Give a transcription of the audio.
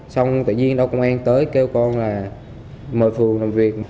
xong tự nhiên đâu công an tới kêu con là mời phường làm việc